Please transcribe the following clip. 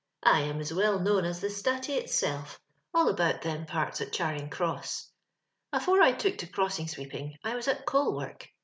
Ay, I'm as well known as the statty itself, all about them parts at Charing cross, Afore I took to crossing sweeping I was at coal work.